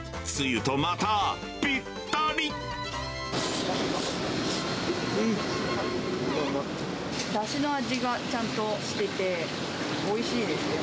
うん、うまい、うまい。だしの味がちゃんとしてて、おいしいです。